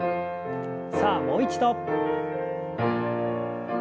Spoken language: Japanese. さあもう一度。